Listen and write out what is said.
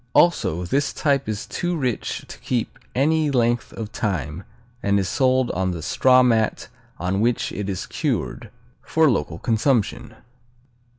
Also, this type is too rich to keep any length of time and is sold on the straw mat on which it is cured, for local consumption.